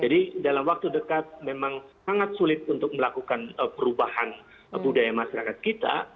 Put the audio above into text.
jadi dalam waktu dekat memang sangat sulit untuk melakukan perubahan budaya masyarakat kita